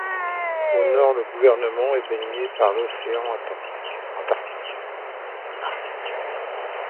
Au nord le gouvernement est baigné par l’océan Arctique.